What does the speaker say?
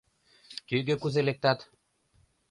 Тӱгӧ кузе лектат?